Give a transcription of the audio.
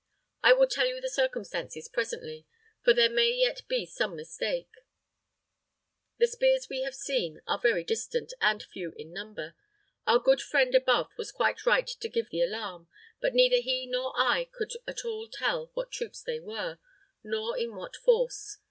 I will tell you the circumstances presently; for there may yet be some mistake. The spears we have seen are very distant, and few in number. Our good friend above was quite right to give the alarm; but neither he nor I could at all tell what troops they were, nor in what force.